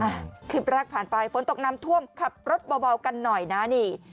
อ่ะคลิปแรกผ่านไปฝนตกน้ำท่วมขับรถเบากันหน่อยนะนี่